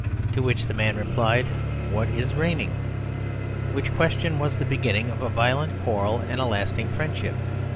To which the man replied, "What is raining?": which question was the beginning of a violent quarrel and a lasting friendship.